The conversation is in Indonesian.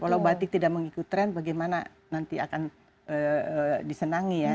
kalau batik tidak mengikuti tren bagaimana nanti akan disenangi ya